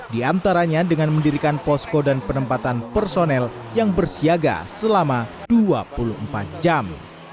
di antaranya dengan mendirikan posko dan penempatan personel yang bersiaga selama dua puluh empat jam